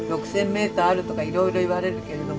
メーターあるとかいろいろ言われるけれどもね。